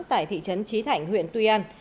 tại thị trấn trí thảnh huyện tuy an